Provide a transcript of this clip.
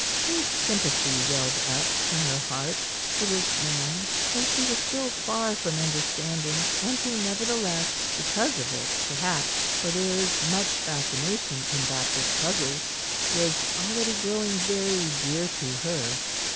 A great sympathy welled up from her heart for this man whom she was still far from understanding, and who, nevertheless because of it, perhaps, for there is much fascination in that which puzzles was already growing very dear to her.